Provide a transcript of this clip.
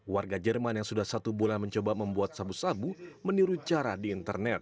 warga jerman yang sudah satu bulan mencoba membuat sabu sabu meniru cara di internet